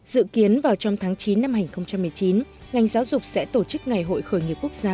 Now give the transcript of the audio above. dự kiến vào trong tháng chín năm hai nghìn một mươi chín ngành giáo dục sẽ tổ chức ngày hội khởi nghiệp quốc gia